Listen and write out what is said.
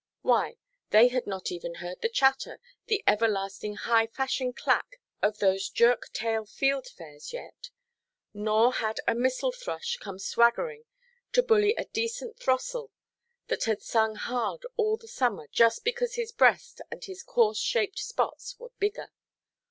Why, they had not even heard the chatter, the everlasting high–fashion clack, of those jerk–tail fieldfares yet; nor had a missel–thrush come swaggering to bully a decent throstle that had sung hard all the summer, just because his breast and his coarse–shaped spots were bigger.